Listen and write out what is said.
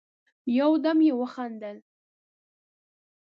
يودم يې وخندل: